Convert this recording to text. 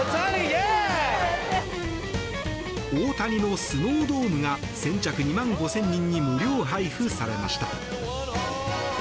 大谷のスノードームが先着２万５０００人に無料配布されました。